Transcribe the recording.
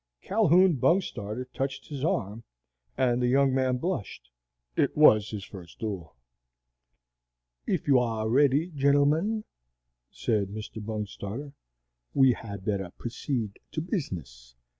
Calhoun Bungstarter touched his arm, and the young man blushed. It was his first duel. "If you are ready, gentlemen," said Mr. Bungstarter, "we had better proceed to business.